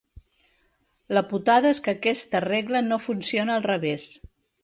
La putada és que aquesta regla no funciona al revés.